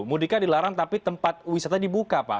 mudik kan dilarang tapi tempat wisata dibuka pak